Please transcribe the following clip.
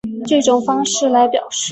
这种的方式来表示。